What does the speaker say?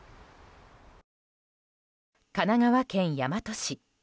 神奈川県大和市。